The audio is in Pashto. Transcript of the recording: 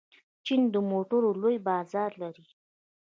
چین د موټرو لوی بازار لري.